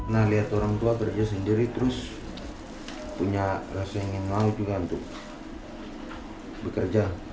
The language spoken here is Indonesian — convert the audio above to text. nah lihat orang tua bekerja sendiri terus punya rasa ingin mau juga untuk bekerja